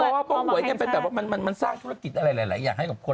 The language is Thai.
เพราะว่าพอหวยกันไปแบบว่ามันสร้างธุรกิจอะไรหลายอย่างให้กับคน